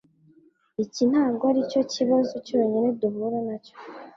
Iki ntabwo aricyo kibazo cyonyine duhura nacyo.